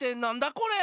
これ！